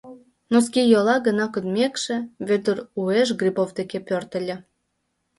— Носкийола гына кодмекше, Вӧдыр уэш Грибов деке пӧртыльӧ.